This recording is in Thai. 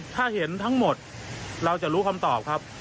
ถ้าเห็นทั้งหมดเราจะรู้คำตอบครับ